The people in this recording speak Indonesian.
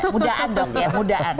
mudaan dong ya mudaan